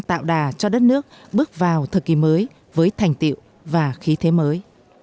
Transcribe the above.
vào thời kỳ mới với thành tiệu và khí thế mới